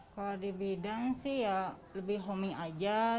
kalau di bidan sih ya lebih homing aja